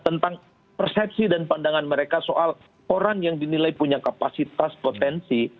tentang persepsi dan pandangan mereka soal orang yang dinilai punya kapasitas potensi